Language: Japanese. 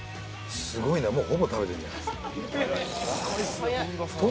すごいな。